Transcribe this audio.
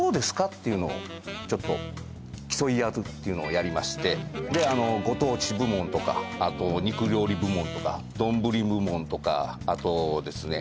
っていうのをちょっと競い合うっていうのをやりましてでご当地部門とかあと肉料理部門とか丼部門とかあとですね